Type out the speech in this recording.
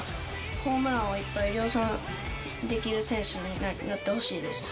ホームランをいっぱい量産できる選手になってほしいです。